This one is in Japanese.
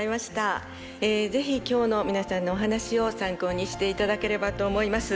是非今日の皆さんのお話を参考にしていただければと思います。